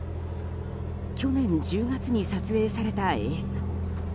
去年１０月に撮影された映像。